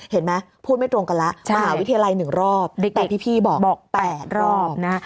เห็นไหมพูดไม่ตรงกันแล้วมหาวิทยาลัย๑รอบแต่พี่บอกบอก๘รอบนะ